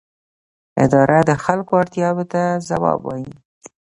اداره د خلکو اړتیاوو ته ځواب وايي.